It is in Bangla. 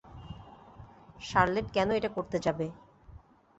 শার্লেট কেন এটা করতে যাবে?